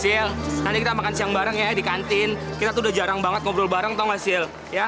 sil nanti kita makan siang bareng ya di kantin kita tuh udah jarang banget ngobrol bareng tau gak